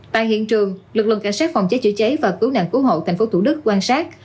tại hiện trường lực lượng cảnh sát phòng cháy chữa cháy và cứu nạn cứu hộ tp thủ đức quan sát